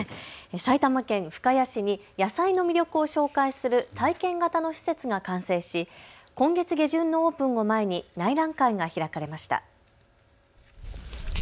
埼玉県深谷市に野菜の魅力を紹介する体験型の施設が完成し今月下旬のオープンを前に内覧会が開かれました。